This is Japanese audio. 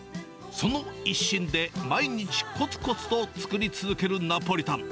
その一心で毎日こつこつと作り続けるナポリタン。